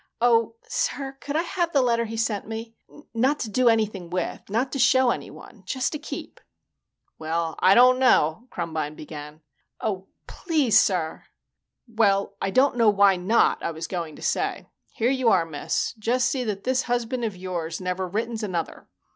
"Oh, sir, could I have the letter he sent me? Not to do anything with. Not to show anyone. Just to keep." "Well, I don't know " Krumbine began. "Oh, please, sir!" "Well, I don't know why not, I was going to say. Here you are, miss. Just see that this husband of yours never writtens another."